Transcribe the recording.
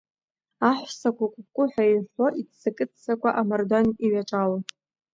Аҳәсақәа акәкәуҳәа иҳәҳәо иццакы-ццакуа амардуан иҩаҿалон.